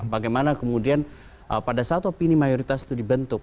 bagaimana kemudian pada saat opini mayoritas itu dibentuk